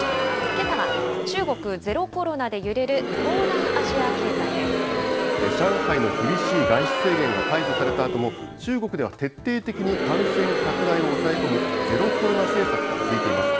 けさは中国ゼロコロナで揺れる東上海の厳しい外出制限が解除されたあとも、中国では徹底的に感染拡大を抑え込むゼロコロナ政策が続いています。